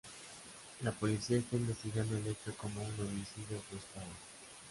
La policía está investigando el hecho como un homicidio frustrado.